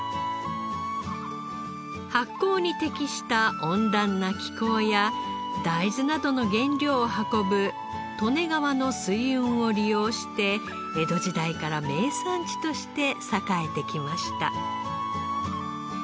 発酵に適した温暖な気候や大豆などの原料を運ぶ利根川の水運を利用して江戸時代から名産地として栄えてきました。